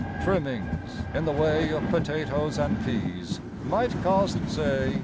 Trimmings In the way of potatoes and peas might cost, say, 6d.